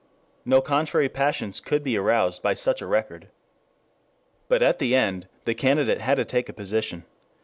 No contrary passions could be aroused by such a record. But at the end the candidate had to take a position.